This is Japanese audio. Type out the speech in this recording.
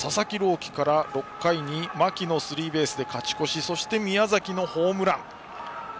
希から６回に牧のスリーベースで勝ち越しそして宮崎のホームラン。